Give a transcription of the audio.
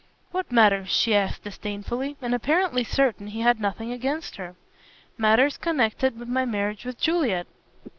"What matters?" she asked disdainfully, and apparently certain he had nothing against her. "Matters connected with my marriage with Juliet."